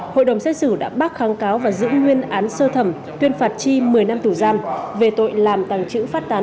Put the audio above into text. hội đồng xét xử đã bác kháng cáo và giữ nguyên án sơ thẩm tuyên phạt chi một mươi năm tù giam về tội làm tàng trữ phát tán